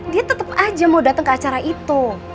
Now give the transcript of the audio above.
dia tetep aja mau dateng ke acara itu